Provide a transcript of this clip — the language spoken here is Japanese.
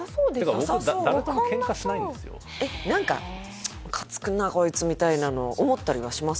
僕何か「チッむかつくなこいつ」みたいなのを思ったりはします？